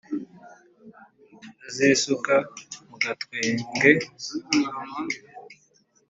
zisuka mugatwenge